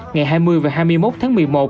ngày hai mươi và hai mươi một tháng một mươi một